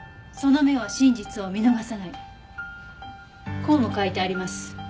こうも書いてあります。